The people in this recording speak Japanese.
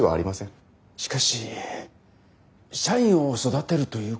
しかし社員を育てるということも。